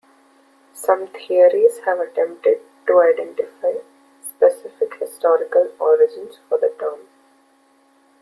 Some theories have attempted to identify specific historical origins for the term.